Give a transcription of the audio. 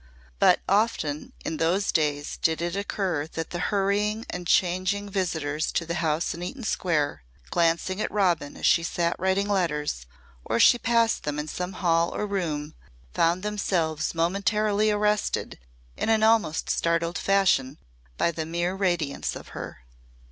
But often in those days did it occur that the hurrying and changing visitors to the house in Eaton Square, glancing at Robin as she sat writing letters, or as she passed them in some hall or room, found themselves momentarily arrested in an almost startled fashion by the mere radiance of her.